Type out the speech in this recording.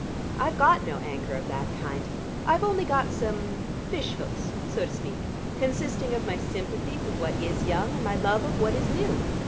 I've got no anchor of that kind; I've only got some fish hooks, so to speak, consisting of my sympathy with what is young, and my love of what is new.